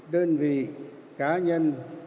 đơn vị cá nhân